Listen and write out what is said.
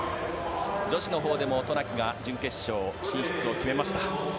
女子のほうでも渡名喜が準決勝進出を決めました。